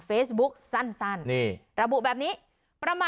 ปอล์กับโรเบิร์ตหน่อยไหมครับ